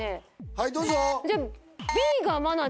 はいどうぞ。